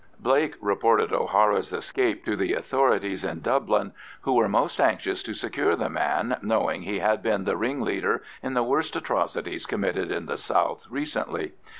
Blake reported O'Hara's escape to the authorities in Dublin, who were most anxious to secure the man, knowing he had been the ringleader in the worst atrocities committed in the south recently.